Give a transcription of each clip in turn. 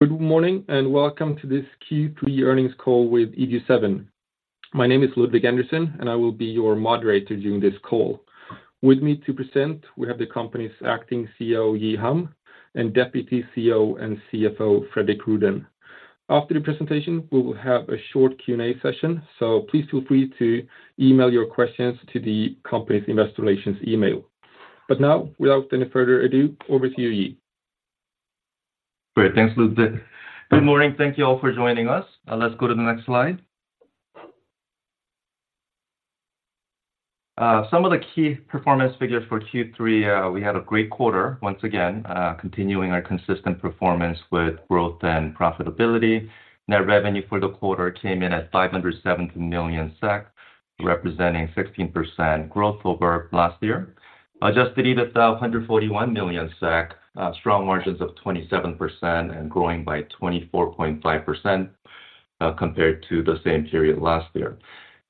Good morning, and welcome to this Q3 earnings call with EG7. My name is Ludvig Andersson, and I will be your moderator during this call. With me to present, we have the company's acting CEO, Ji Ham, and Deputy CEO and CFO, Fredrik Rüdén. After the presentation, we will have a short Q&A session, so please feel free to email your questions to the company's investor relations email. Now, without any further ado, over to you, Ji. Great. Thanks, Ludvig. Good morning. Thank you all for joining us. Let's go to the next slide. Some of the key performance figures for Q3, we had a great quarter once again, continuing our consistent performance with growth and profitability. Net revenue for the quarter came in at 570 million SEK, representing 16% growth over last year. Adjusted EBITDA, 141 million SEK, strong margins of 27% and growing by 24.5%, compared to the same period last year.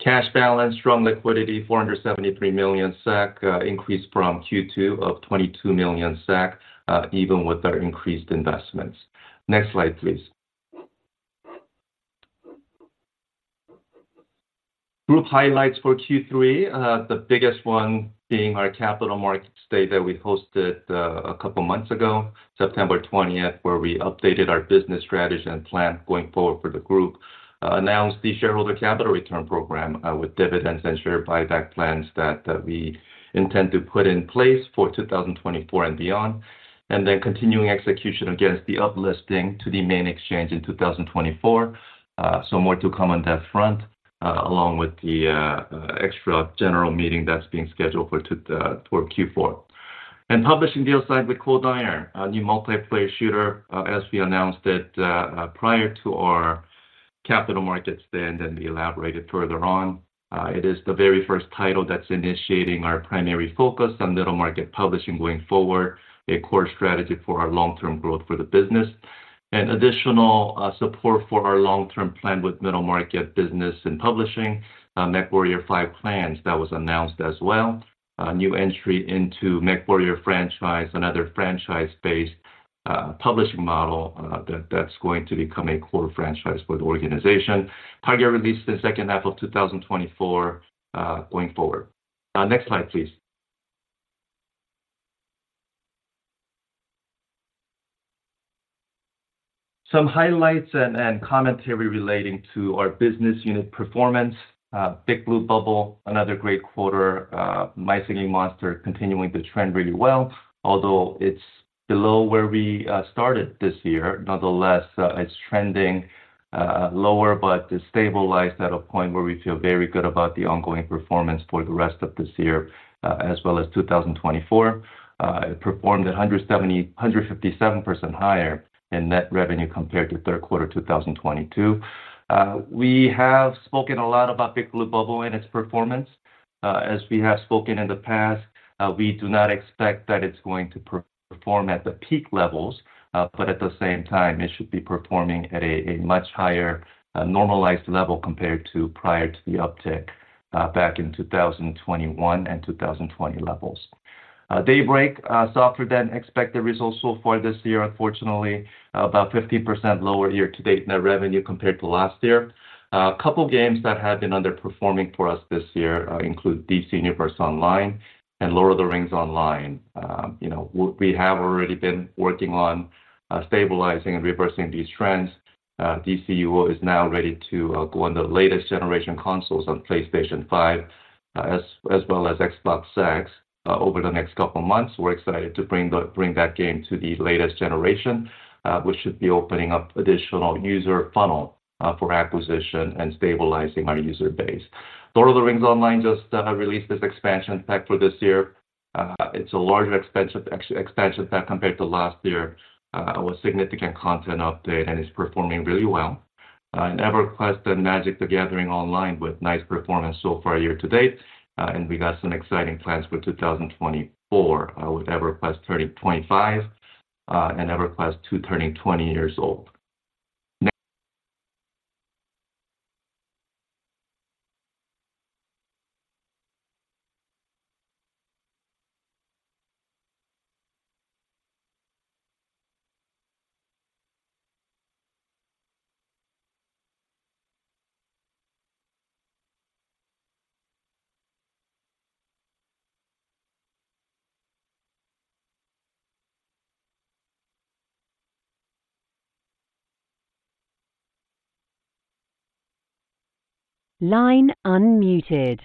Cash balance, strong liquidity, 473 million SEK, increase from Q2 of 22 million SEK, even with our increased investments. Next slide, please. Group highlights for Q3, the biggest one being our Capital Markets Day that we hosted a couple of months ago, September 20, where we updated our business strategy and plan going forward for the group, announced the shareholder capital return program with dividends and share buyback plans that we intend to put in place for 2024 and beyond. Continuing execution against the uplisting to the main exchange in 2024. So more to come on that front, along with the extra general meeting that's being scheduled for Q4. Publishing deal signed with Cold Iron, a new multiplayer shooter, as we announced it prior to our Capital Markets Day and elaborated further on. It is the very first title that's initiating our primary focus on middle market publishing going forward, a core strategy for our long-term growth for the business. And additional support for our long-term plan with middle market business and publishing, MechWarrior 5 plans that was announced as well. A new entry into MechWarrior franchise, another franchise-based publishing model that's going to become a core franchise for the organization. Target release in the second half of 2024, going forward. Next slide, please. Some highlights and commentary relating to our business unit performance. Big Blue Bubble, another great quarter. My Singing Monsters continuing to trend really well, although it's below where we started this year. Nonetheless, it's trending lower but is stabilized at a point where we feel very good about the ongoing performance for the rest of this year, as well as 2024. It performed 157% higher in net revenue compared to third quarter, 2022. We have spoken a lot about Big Blue Bubble and its performance. As we have spoken in the past, we do not expect that it's going to perform at the peak levels, but at the same time, it should be performing at a much higher normalized level compared to prior to the uptick back in 2021 and 2020 levels. Daybreak, softer than expected results so far this year, unfortunately, about 50% lower year to date net revenue compared to last year. A couple of games that have been underperforming for us this year include DC Universe Online and Lord of the Rings Online. You know, we have already been working on stabilizing and reversing these trends. DCUO is now ready to go on the latest generation consoles on PlayStation 5, as well as Xbox Series X. Over the next couple of months, we're excited to bring that game to the latest generation, which should be opening up additional user funnel for acquisition and stabilizing our user base. Lord of the Rings Online just released this expansion pack for this year. It's a larger expansion, expansion pack compared to last year, with significant content update, and it's performing really well. And EverQuest and Magic: The Gathering Online with nice performance so far year to date, and we got some exciting plans for 2024, with EverQuest turning 25, and EverQuest 2 turning 20 years old. Next-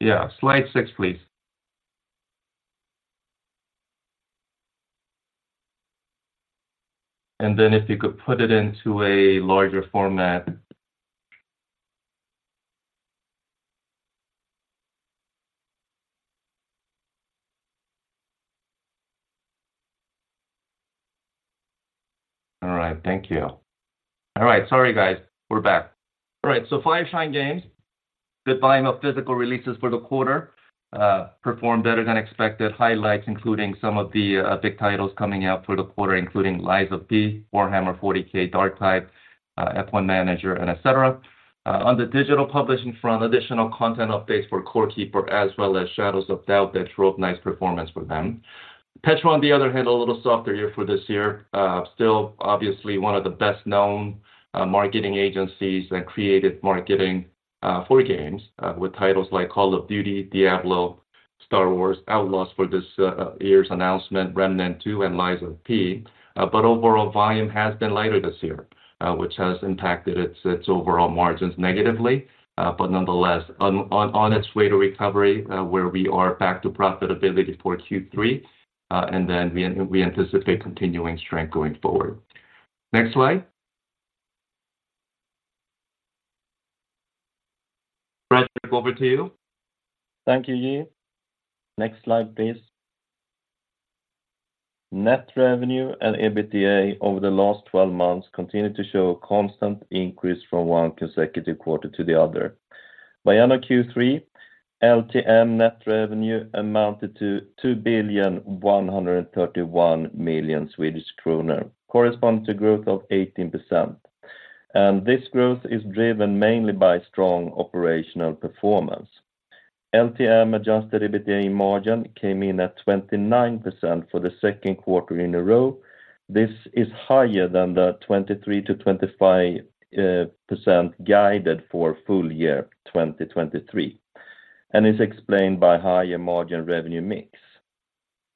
Yeah, Slide 6, please. And then if you could put it into a larger format. All right, thank you. All right. Sorry, guys, we're back. All right, so Fireshine Games, the volume of physical releases for the quarter performed better than expected, highlights including some of the big titles coming out for the quarter, including Lies of P, Warhammer 40,000: Darktide, F1 Manager, and etc. On the digital publishing front, additional content updates for Core Keeper as well as Shadows of Doubt that drove nice performance for them. PETROL, on the other hand, a little softer year for this year. Still, obviously, one of the best-known marketing agencies and creative marketing for games, with titles like Call of Duty, Diablo, Star Wars Outlaws for this year's announcement, Remnant II, and Lies of P. But overall volume has been lighter this year, which has impacted its overall margins negatively, but nonetheless, on its way to recovery, where we are back to profitability for Q3, and then we anticipate continuing strength going forward. Next slide. Fredrik, over to you. Thank you, Ji. Next slide, please. Net revenue and EBITDA over the last twelve months continued to show a constant increase from one consecutive quarter to the other. By end of Q3, LTM net revenue amounted to 2,131 million Swedish kronor, corresponding to growth of 18%, and this growth is driven mainly by strong operational performance. LTM adjusted EBITDA margin came in at 29% for the second quarter in a row. This is higher than the 23%-25% guided for full year 2023, and is explained by higher margin revenue mix.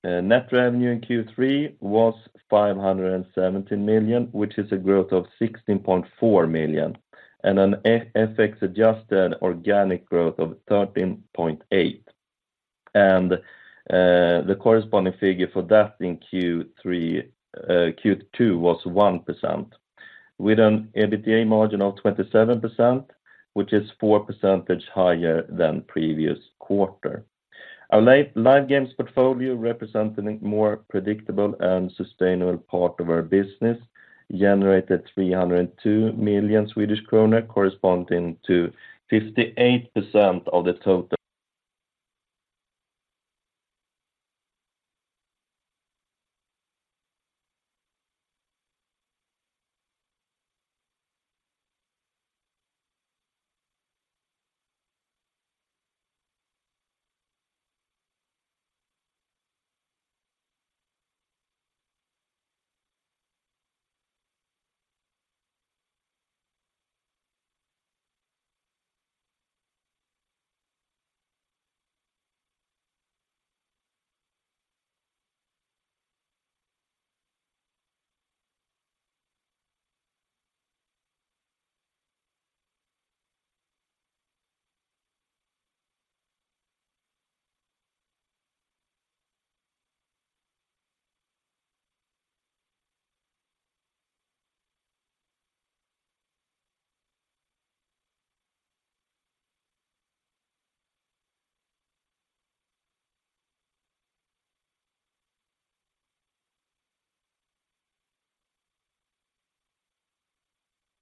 Net revenue in Q3 was 517 million, which is a growth of 16.4 million, and an FX-adjusted organic growth of 13.8%. The corresponding figure for that in Q3, Q2 was 1%, with an EBITDA margin of 27%, which is 4 percentage higher than previous quarter. Our live, live games portfolio, representing a more predictable and sustainable part of our business, generated 302 million Swedish kronor, corresponding to 58% of the total.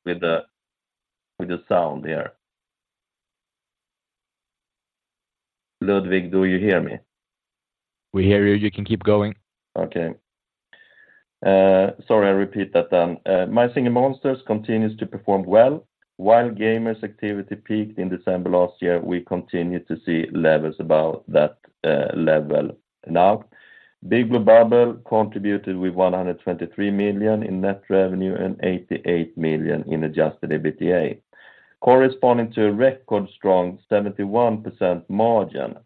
With the sound here. Ludvig, do you hear me? We hear you. You can keep going. Okay. Sorry, I repeat that then. My Singing Monsters continues to perform well. While gamers' activity peaked in December last year, we continue to see levels above that level now. Big Blue Bubble contributed with 123 million in net revenue and 88 million in adjusted EBITDA, corresponding to a record strong 71% margin.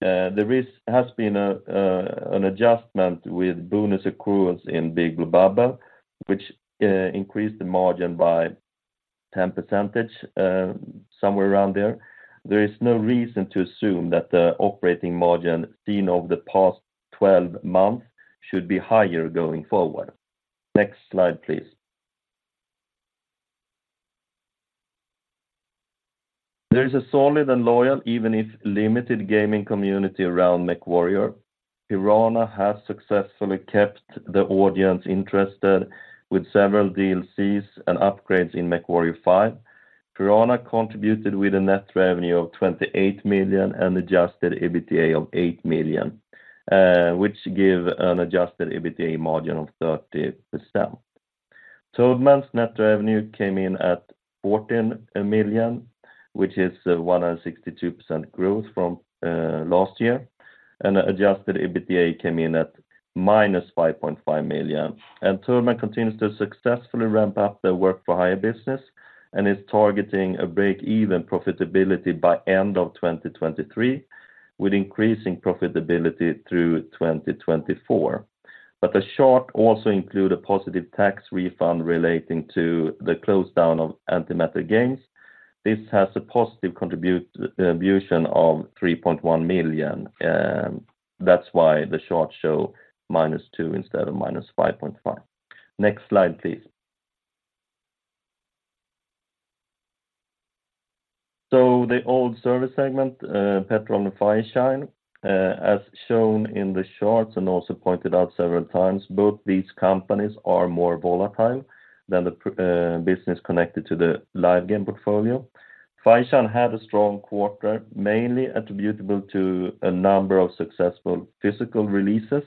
There has been an adjustment with bonus accruals in Big Blue Bubble, which increased the margin by 10%, somewhere around there. There is no reason to assume that the operating margin seen over the past twelve months should be higher going forward. Next slide, please. There is a solid and loyal, even if limited gaming community around MechWarrior. Piranha has successfully kept the audience interested with several DLCs and upgrades in MechWarrior 5. Piranha contributed with a net revenue of 28 million and adjusted EBITDA of 8 million, which give an Adjusted EBITDA margin of 30%. Toadman's net revenue came in at 14 million, which is 162% growth from last year, and Adjusted EBITDA came in at -5.5 million. Toadman continues to successfully ramp up their work for higher business and is targeting a break-even profitability by end of 2023, with increasing profitability through 2024. But the short also include a positive tax refund relating to the close down of Antimatter Games. This has a positive contribution, attribution of 3.1 million, that's why the short show -2 million instead of -5.5 million. Next slide, please. The old service segment, PETROL and Fireshine, as shown in the charts and also pointed out several times, both these companies are more volatile than the business connected to the live game portfolio. Fireshine had a strong quarter, mainly attributable to a number of successful physical releases.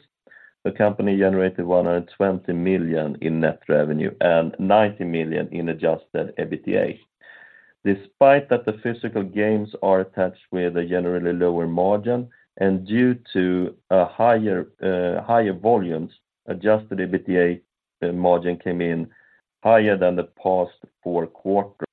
The company generated 120 million in net revenue and 90 million in adjusted EBITDA. Despite that, the physical games are attached with a generally lower margin, and due to higher volumes, Adjusted EBITDA margin came in higher than the past four quarters.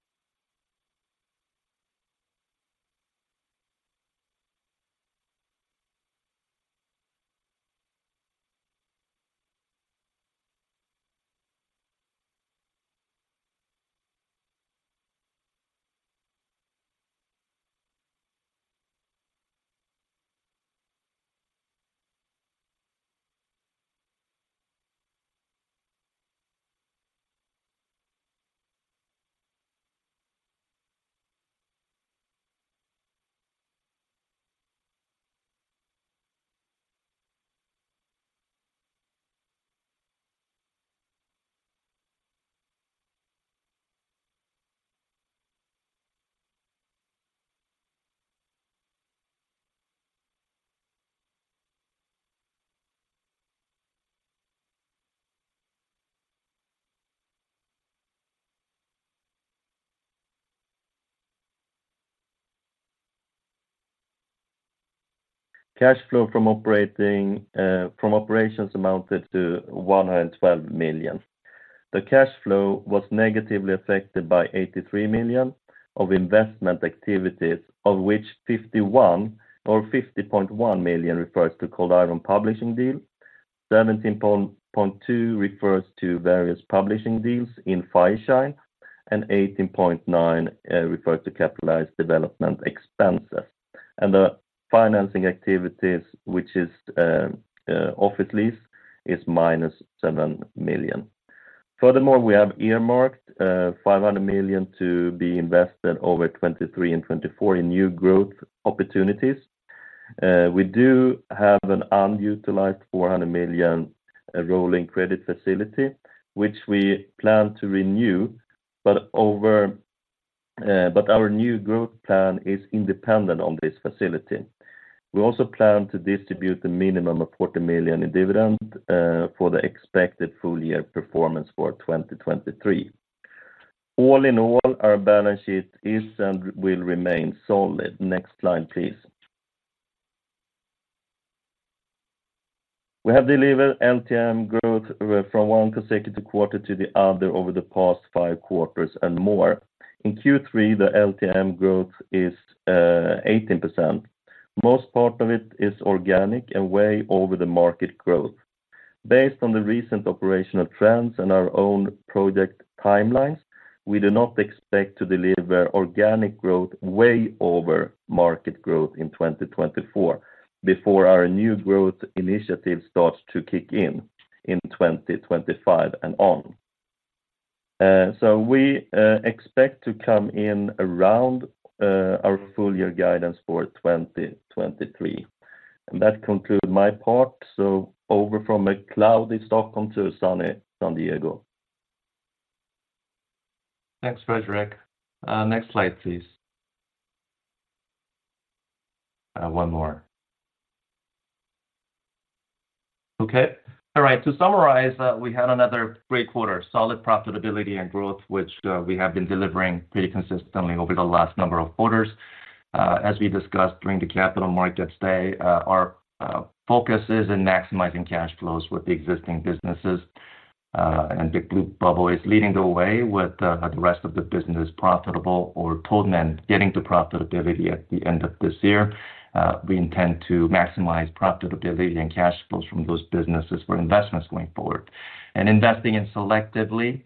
Cash flow from operating from operations amounted to 112 million. The cash flow was negatively affected by 83 million of investment activities, of which 51 million or 50.1 million refers to Cold Iron publishing deal, 17.2 refers to various publishing deals in Fireshine, and 18.9 refers to capitalized development expenses. The financing activities, which is office lease, is minus 7 million. Furthermore, we have earmarked 500 million to be invested over 2023 and 2024 in new growth opportunities. We do have an unutilized 400 million rolling credit facility, which we plan to renew, but over, but our new growth plan is independent on this facility. We also plan to distribute a minimum of 40 million in dividend for the expected full year performance for 2023. All in all, our balance sheet is and will remain solid. Next slide, please. We have delivered LTM growth from one consecutive quarter to the other over the past five quarters and more. In Q3, the LTM growth is 18%. Most part of it is organic and way over the market growth. Based on the recent operational trends and our own project timelines, we do not expect to deliver organic growth way over market growth in 2024 before our new growth initiative starts to kick in, in 2025 and on. So we expect to come in around our full year guidance for 2023. That concludes my part. So over from a cloudy Stockholm to sunny San Diego. Thanks, Fredrik. Next slide, please. One more. Okay. All right, to summarize, we had another great quarter, solid profitability and growth, which we have been delivering pretty consistently over the last number of quarters. As we discussed during the Capital Markets Day, our focus is in maximizing cash flows with the existing businesses, and Big Blue Bubble is leading the way with the rest of the business profitable or pulled in, getting to profitability at the end of this year. We intend to maximize profitability and cash flows from those businesses for investments going forward. And investing in selectively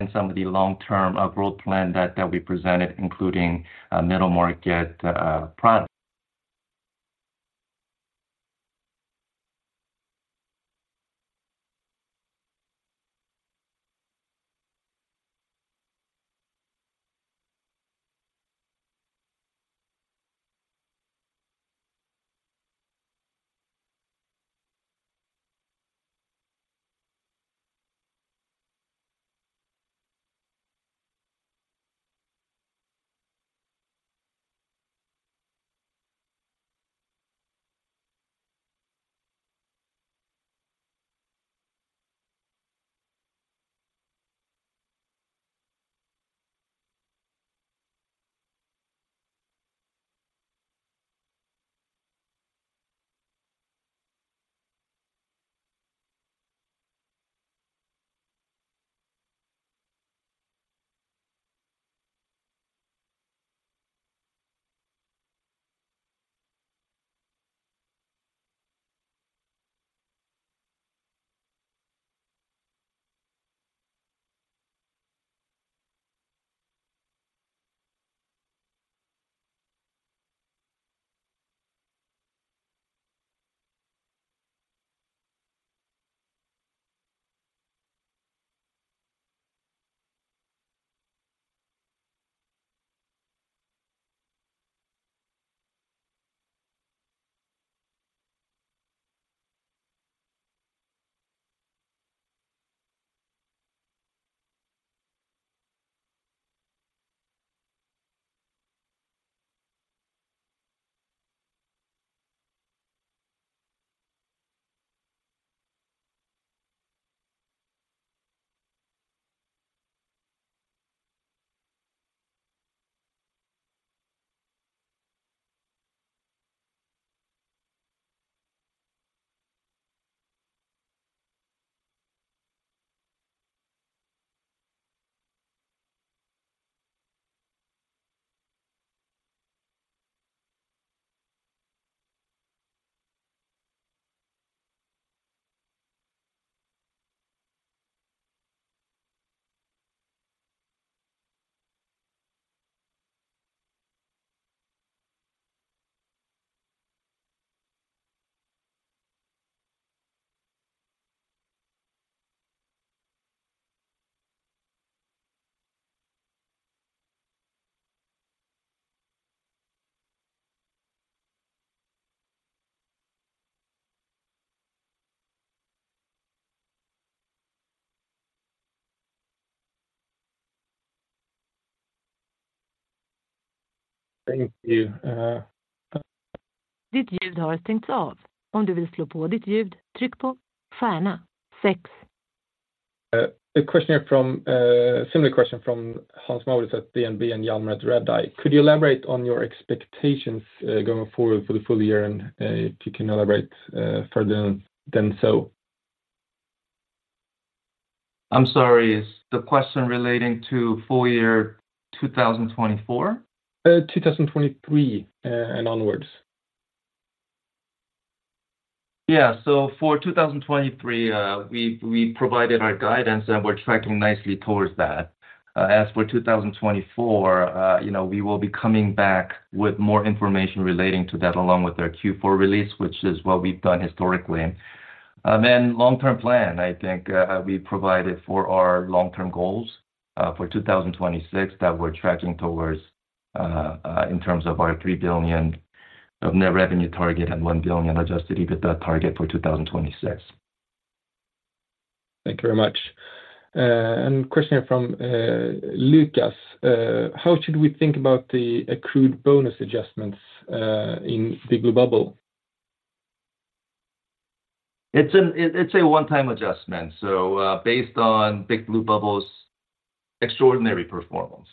in some of the long-term growth plan that we presented, including middle market product. Thank you. Did you have things off? [inaudible] A question here from, similar question from Hans‑Marius at DNB and [Jan Red] at Redeye]. Could you elaborate on your expectations, going forward for the full year and, if you can elaborate, further than so? I'm sorry, is the question relating to full year 2024? 2023 and onwards. Yeah. For 2023, we provided our guidance, and we're tracking nicely towards that. As for 2024, you know, we will be coming back with more information relating to that, along with our Q4 release, which is what we've done historically. And long-term plan, I think, we provided for our long-term goals, for 2026, that we're tracking towards, in terms of our 3 billion net revenue target and 1 billion Adjusted EBITDA target for 2026. Thank you very much. And question from Lucas, "How should we think about the accrued bonus adjustments in Big Blue Bubble? It's a one-time adjustment. So, based on Big Blue Bubble's extraordinary performance,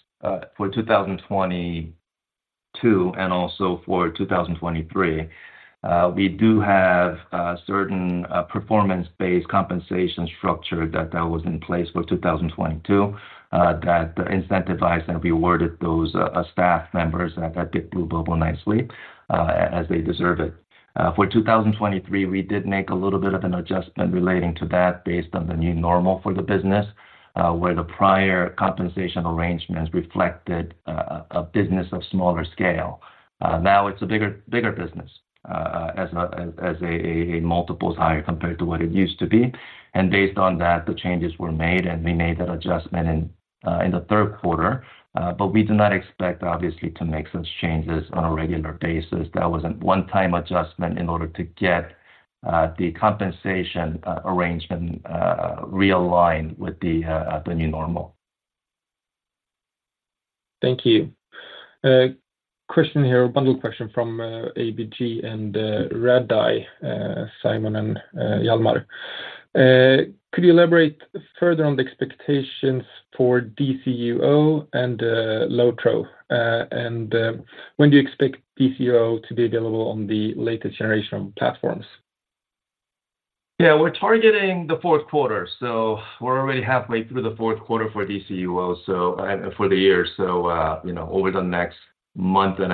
for 2022, and also for 2023, we do have certain performance-based compensation structure that was in place for 2022, that incentivized and rewarded those staff members at Big Blue Bubble nicely, as they deserve it. For 2023, we did make a little bit of an adjustment relating to that, based on the new normal for the business, where the prior compensation arrangement reflected a business of smaller scale. Now it's a bigger business, as multiples higher compared to what it used to be. And based on that, the changes were made, and we made that adjustment in, In the third quarter, but we do not expect, obviously, to make such changes on a regular basis. That was a one-time adjustment in order to get the compensation arrangement realigned with the new normal. Thank you. Question here, a bundle question from ABG and Redeye, Simon and Hjalmar. Could you elaborate further on the expectations for DCUO and LOTRO? And when do you expect DCUO to be available on the latest generation of platforms? Yeah, we're targeting the fourth quarter, so we're already halfway through the fourth quarter for DCUO, so, for the year. So, you know, over the next month and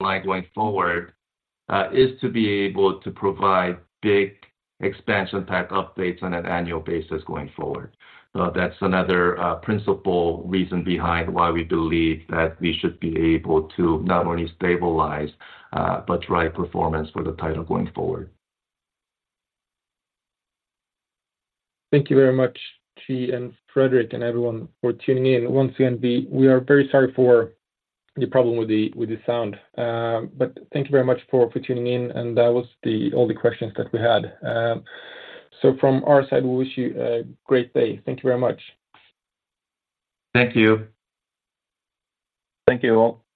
going forward, is to be able to provide big expansion pack updates on an annual basis going forward. That's another, principle reason behind why we believe that we should be able to not only stabilize, but drive performance for the title going forward. Thank you very much, Ji and Fredrik, and everyone for tuning in. Once again, we are very sorry for the problem with the sound. But thank you very much for tuning in, and that was all the questions that we had. So from our side, we wish you a great day. Thank you very much. Thank you. Thank you, all.